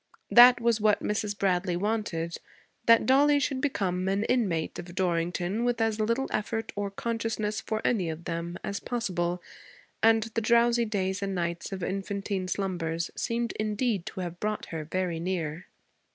That was what Mrs. Bradley wanted, that Dollie should become an inmate of Dorrington with as little effort or consciousness for any of them as possible; and the drowsy days and nights of infantine slumbers seemed indeed to have brought her very near.